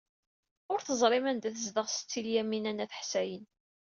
Ur teẓrim anda ay tezdeɣ Setti Lyamina n At Ḥsayen.